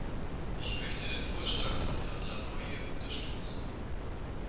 Ich möchte den Vorschlag von Herrn Lannoye unterstützen.